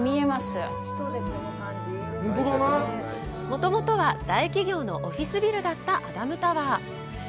もともとは大企業のオフィスビルだったアダムタワー。